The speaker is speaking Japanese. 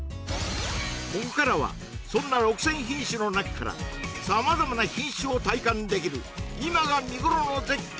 ここからはそんな６０００品種の中から様々な品種を体感できる今が見頃の絶景